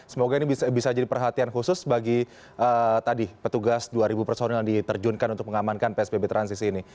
semoga ini bisa jadi perhatian khusus bagi tadi petugas dua personil yang diterjunkan untuk mengamankan psbb transisi ini